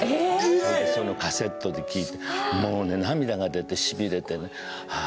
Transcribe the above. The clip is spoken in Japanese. それでそれをカセットで聴いてもうね涙が出てしびれてねああ